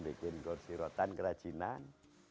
bikin kursi rotan kerajinan